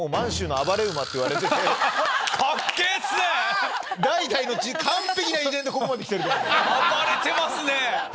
暴れてますね！